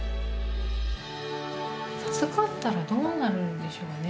授かったらどうなるんでしょうね。